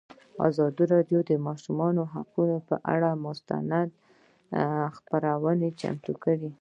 ازادي راډیو د د ماشومانو حقونه پر اړه مستند خپرونه چمتو کړې.